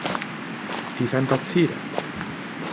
Ti fa impazzire!